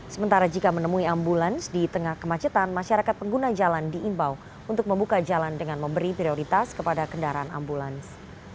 sementara jika menemui ambulans di tengah kemacetan masyarakat pengguna jalan diimbau untuk membuka jalan dengan memberi prioritas kepada kendaraan ambulans